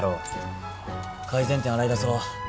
改善点洗い出そう。